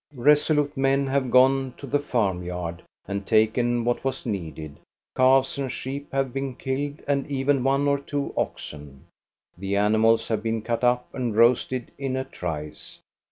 Resolute men have gone to the farmyard and taken what was needed. Calves and sheep have been killed, and even one or two oxen. The animals have been cut up and roasted in a trice.